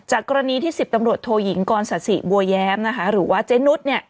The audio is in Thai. กรณีที่๑๐ตำรวจโทยิงกรศาสิบัวแย้มนะคะหรือว่าเจนุสเนี่ย